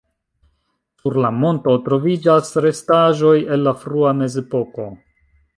Sur la monto troviĝas restaĵoj el la frua mezepoko.